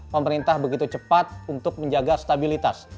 pemerintah begitu cepat untuk menjaga stabilitas